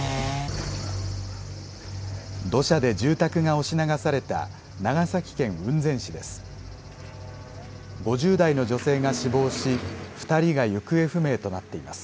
土砂で住宅が押し流された長崎県雲仙市です。